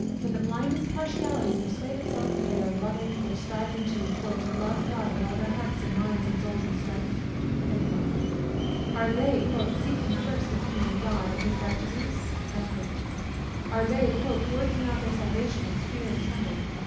Can the blindest partiality persuade itself that they are loving, or striving "to love God with all their hearts, and minds, and souls, and strength?" Are they "seeking first the kingdom of God, and his righteousness?" Are they "working out their salvation with fear and trembling?"